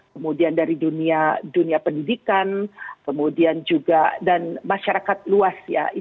kemudian dari dunia pendidikan kemudian juga dan masyarakat luas ya